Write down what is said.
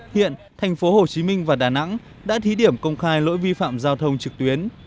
hiện thành phố hồ chí minh và đà nẵng đã thí điểm công khai lỗi vi phạm giao thông trực tuyến